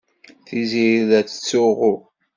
Tiziri la tettsuɣu.